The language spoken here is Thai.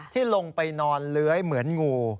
ที่ลงไปนอนเลื้อยเหมือนงู